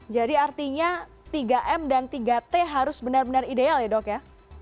jadi artinya tiga m dan tiga t harus benar benar ideal ya dok ya